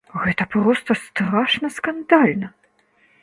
Гэта проста страшна скандальна!